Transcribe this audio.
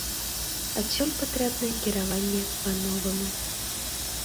Адсюль патрэбна кіраванне па-новаму.